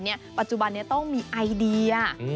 เดี๋ยวปัจจุบันนี้ต้องมีไอเดีย